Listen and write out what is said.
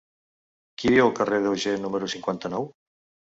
Qui viu al carrer d'Auger número cinquanta-nou?